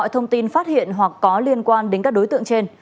nếu có thông tin phát hiện hoặc có liên quan đến các đối tượng trên